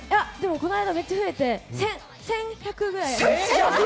この間、めっちゃ増えて、１１００ぐらい。